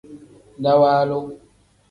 Dawaalu.